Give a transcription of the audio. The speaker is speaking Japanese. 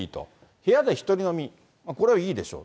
部屋でひとり飲み、これはいいでしょう。